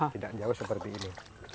tidak jauh seperti ini